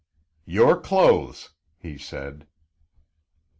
"Your clothes," he said.